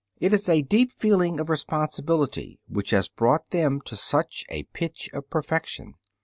It is a deep feeling of responsibility which has brought them to such a pitch of perfection.